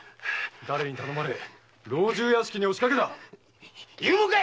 誰に頼まれ老中屋敷に押しかけた⁉言うもんか！